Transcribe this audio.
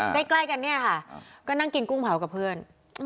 ใกล้กันเนี่ยค่ะก็นั่งกินกุ้งเผากับเพื่อน